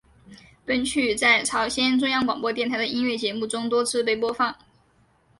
本曲在朝鲜中央广播电台的音乐节目中多次被播放。